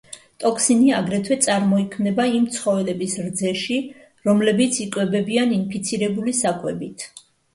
ტოქსინი აგრეთვე წარმოიქმნება იმ ცხოველების რძეში, რომლებიც იკვებებიან ინფიცირებული საკვებით.